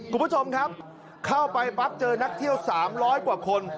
คุณผู้ชมครับเข้าไปปั๊บเจอนักเที่ยว๓๐๐กว่าคน